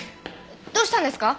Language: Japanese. どうしたんですか？